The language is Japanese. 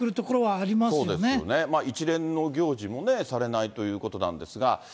そうですよね、一連の行事もされないということなんですが。